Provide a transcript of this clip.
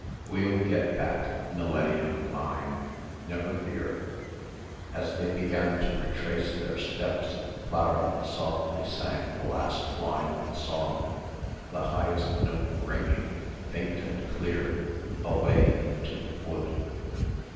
"We'll get back, Millenium mine never fear." As they began to retrace their steps Clara softly sang the last line of the song, the highest note ringing, faint and clear, away into the wood.